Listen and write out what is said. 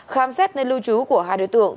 khám xét nơi lưu trú của hai đối tượng